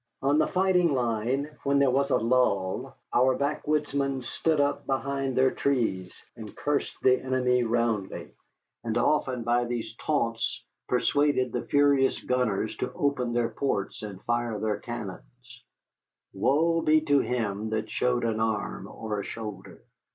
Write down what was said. On the fighting line, when there was a lull, our backwoodsmen stood up behind their trees and cursed the enemy roundly, and often by these taunts persuaded the furious gunners to open their ports and fire their cannon. Woe be to him that showed an arm or a shoulder!